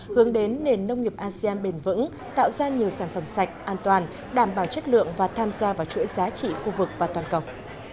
hướng đến nền nông nghiệp asean bền vững tạo ra nhiều sản phẩm sạch an toàn đảm bảo chất lượng và tham gia vào chuỗi giá trị khu vực và toàn cầu